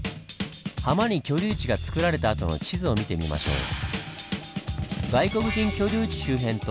ハマに居留地がつくられたあとの地図を見てみましょう。